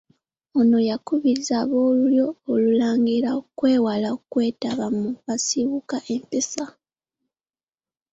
Ono yakubirizza ab'Olulyo Olulangira okwewala okwetaba mu basiiwuuka empisa.